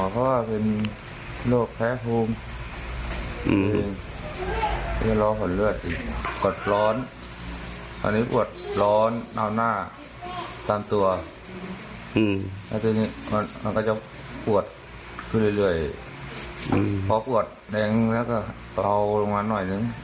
พอปวดแดงแล้วก็เบาลงมันหน่อยนึง